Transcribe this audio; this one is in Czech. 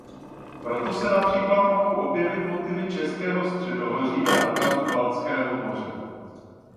Proto se například mohou objevit motivy Českého středohoří na obrazu Baltského moře.